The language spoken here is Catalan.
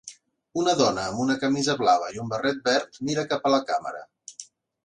Una dona amb una camisa blava i un barret verd mira cap a la càmera.